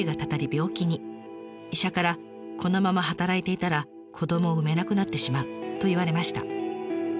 医者から「このまま働いていたら子どもを産めなくなってしまう」と言われました。